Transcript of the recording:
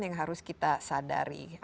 yang harus kita sadari